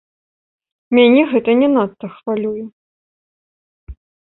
Мяне гэта не надта хвалюе.